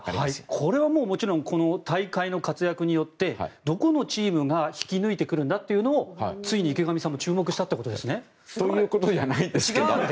これはもちろん大会の活躍によってどこのチームが引き抜いてくるんだというのをついに池上さんが注目したということですね。ということじゃないんですけど。